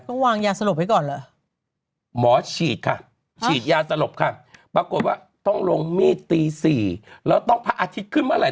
ต้องดับยาสลบค่ะปรากฏว่าต้องลงมีดตี๔แล้วต้องพาอาทิตย์ขึ้นเมื่อไหร่